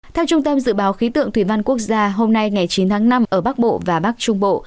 theo trung tâm dự báo khí tượng thủy văn quốc gia hôm nay ngày chín tháng năm ở bắc bộ và bắc trung bộ